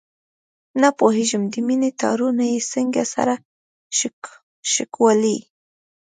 نه پوهېږم د مینې تارونه یې څنګه سره شکولي.